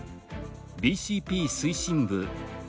ＢＣＰ推進部。